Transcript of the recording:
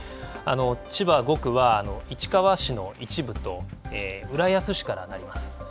千葉５区は市川市の一部と浦安市からなります。